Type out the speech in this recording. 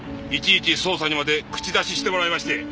いちいち捜査にまで口出ししてもらいまして！